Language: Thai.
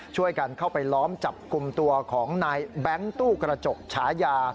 ช่วยกันเข้าไปล้อมจับกลุ่มตัวของนายแบงค์ตู้กระจกฉายา